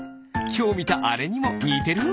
きょうみたあれにもにてる。